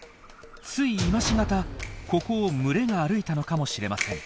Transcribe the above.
つい今し方ここを群れが歩いたのかもしれません。